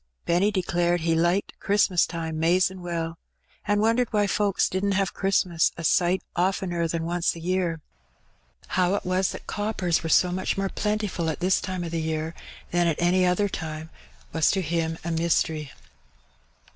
Benny declared "he liked Christmas time mazin' well, and wondered why folks didn't have Christmas a sight odener than once a year." How it was that coppers were so 54 Heb Benny. mucli more plentiful at this time of the year than at any other time was to him a mystery.